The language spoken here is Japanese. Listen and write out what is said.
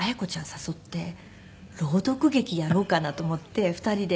誘って朗読劇やろうかなと思って２人で。